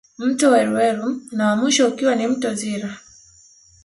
Mto Weruweru na wa mwisho ukiwa ni mto Zira